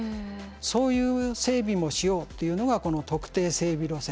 そういう整備もしようっていうのがこの特定整備路線。